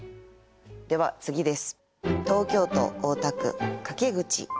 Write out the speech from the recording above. では次です。